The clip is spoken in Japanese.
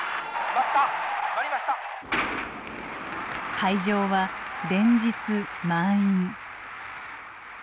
会場は連日満員。